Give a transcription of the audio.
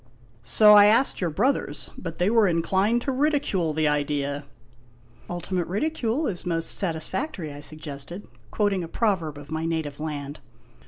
"So I asked your brothers; but they were inclined to ridicule the idea." "' Ultimate ridicule is most satisfactory,' ' I suggested, quoting a proverb of my native land.